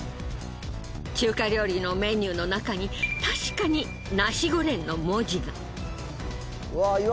中華料理のメニューの中に確かにナシゴレンの文字が。